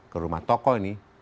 ke rumah tokoh ini